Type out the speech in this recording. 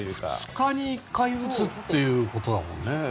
２日に１回打つってことだもんね。